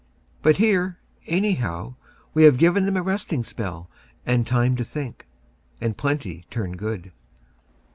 But here, anyhow, we have given them a resting spell and time to think. And plenty turn good."